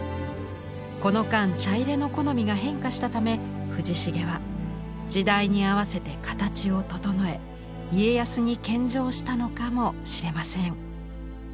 この間茶入の好みが変化したため藤重は時代に合わせて形を整え家康に献上したのかもしれません。